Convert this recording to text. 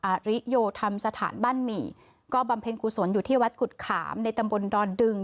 อาริโยธรรมสถานบ้านหมี่ก็บำเพ็ญกุศลอยู่ที่วัดกุฎขามในตำบลดอนดึง